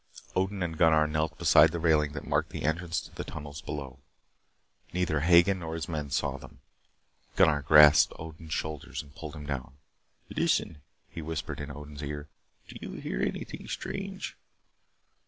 Odin and Gunnar knelt beside the railing that marked the entrance to the tunnels below. Neither Hagen nor his men saw them. Gunnar grasped Odin's shoulders and pulled him down. "Listen," he whispered in Odin's ear. "Do you hear anything strange?"